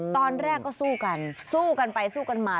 ตอนแรกก็สู้กันสู้กันไปสู้กันมา